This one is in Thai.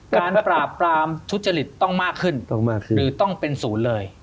การปราบปรามทุจริตต้องมากขึ้นหรือต้องเป็นศูนย์เลย